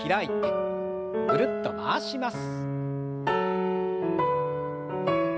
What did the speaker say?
ぐるっと回します。